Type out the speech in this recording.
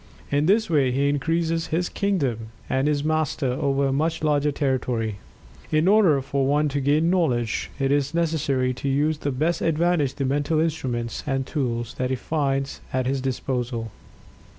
In this way he increases his kingdom and is Master over a much larger territory. In order for one to gain knowledge, it is necessary to use to the best advantage the mental instruments and tools that he finds at his disposal.